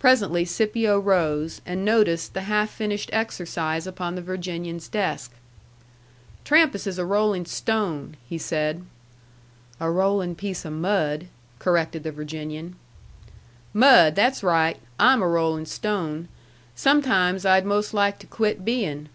Presently Scipio rose, and noticed the half finished exercise upon the Virginian's desk. "Trampas is a rolling stone," he said. "A rolling piece of mud," corrected the Virginian. "Mud! That's right. I'm a rolling stone. Sometimes I'd most like to quit being."